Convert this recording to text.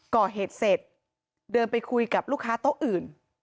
ก่อเหตุเสร็จเดินไปคุยกับลูกค้าโต๊ะอื่น